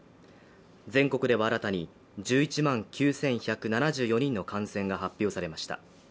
全国では新たに１１万９１７４人の感染が発表されました。